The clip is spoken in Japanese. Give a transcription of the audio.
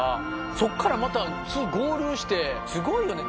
そこからまた合流して、すごいよね。